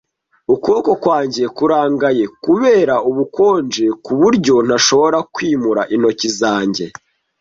Ukuboko kwanjye kurangaye kubera ubukonje kuburyo ntashobora kwimura intoki zanjye.